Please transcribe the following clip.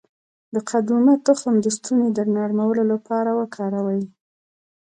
د قدومه تخم د ستوني د نرمولو لپاره وکاروئ